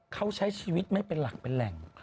เขาใช้ชีวิตไม่เป็นหลักเป็นแหล่ง